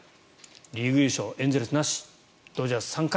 リーグ優勝、エンゼルスなしドジャース、３回。